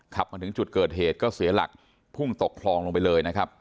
มาถึงจุดเกิดเหตุก็เสียหลักพุ่งตกคลองลงไปเลยนะครับ